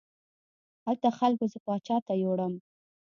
هلته خلکو زه پاچا ته یووړم.